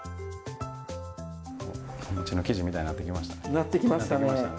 お餅の生地みたいになってきましたね。